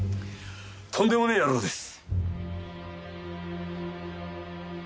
とんでもねえ野郎です！